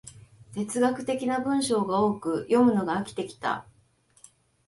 哲学的な文章が多く、読むのが飽きてきた